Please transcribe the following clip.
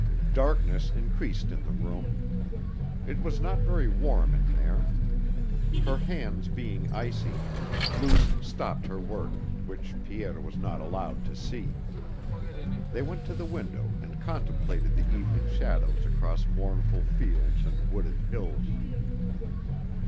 Darkness increased in the room. It was not very warm in there. Her hands being icy, Luce stopped her work, which Pierre was not allowed to see. They went to the window and contemplated the evening shadows across mournful fields and wooded hills.